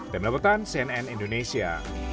demi labutan cnn indonesia